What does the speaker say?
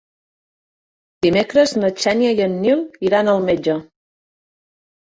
Dimecres na Xènia i en Nil iran al metge.